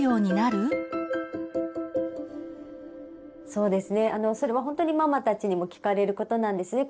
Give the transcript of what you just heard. それはほんとにママたちにも聞かれることなんですね。